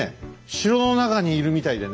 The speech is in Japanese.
城の中にいるみたいでね